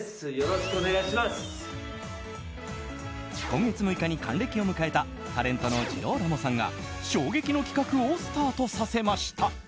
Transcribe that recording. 今月６日に還暦を迎えたタレントのジローラモさんが衝撃の企画をスタートさせました。